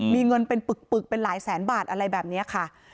มีเงินเป็นปึกเป็นหลายแสนบาทอะไรแบบนี้ค่ะ